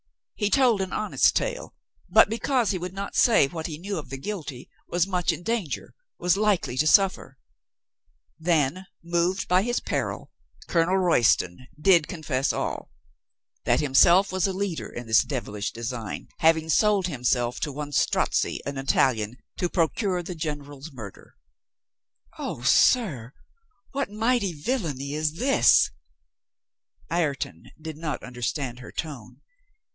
He told an honest tale, but be THE LAST INSPIRATION 447 cause he would not say what he knew of the guilty, was much in danger, was like to suffer. Then, moved by his peril, Colonel Royston did confess all. That himself w,as a leader in this devilish design, having sold himself to one Strozzi, an Italian, to procure the generals' murder." "O, sir, what mighty villainy Is this!" (Ireton did not understand her tone.)